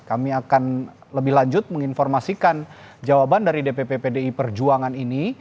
kami akan lebih lanjut menginformasikan jawaban dari dpp pdi perjuangan ini